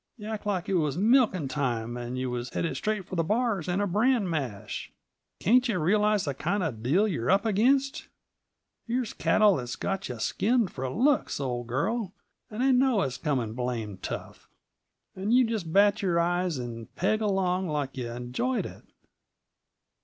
Yuh act like it was milkin' time, and yuh was headed straight for the bars and a bran mash. Can't yuh realize the kind uh deal you're up against? Here's cattle that's got you skinned for looks, old girl, and they know it's coming blamed tough; and you just bat your eyes and peg along like yuh enjoyed it.